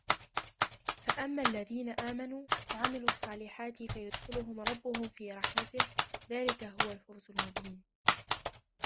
فأما الذين آمنوا وعملوا الصالحات فيدخلهم ربهم في رحمته ذلك هو الفوز المبين